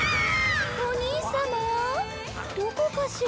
お兄さまどこかしら？